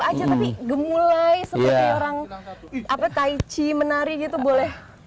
tapi gemulai seperti orang tai chi menari gitu boleh